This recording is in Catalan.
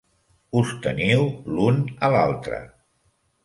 Us teniu l'un a l'altre.